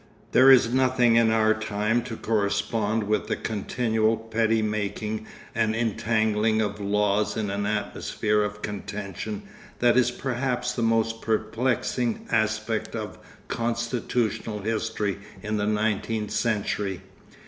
There is nothing in our time to correspond with the continual petty making and entangling of laws in an atmosphere of contention that is perhaps the most perplexing aspect of constitutional history in the nineteenth century.